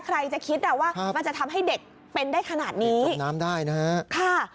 ใครจะคิดอ่ะว่ามันจะทำให้เด็กเป็นได้ขนาดนี้น้ำได้นะฮะค่ะ